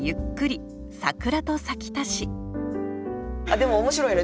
でも面白いね。